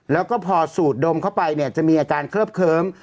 แล้วก็พอสูดดมเข้าไปเนี่ยจะมีอาการเคลือบเคิ้ม